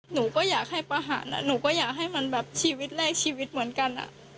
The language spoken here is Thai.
หนูก็อยากให้ประหารหนูก็อยากให้มันแบบชีวิตแรกชีวิตเหมือนกัน